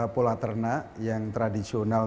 pola ternak yang tradisional